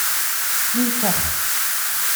Lfex.